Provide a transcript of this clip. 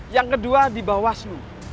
yang kedua di bawaslu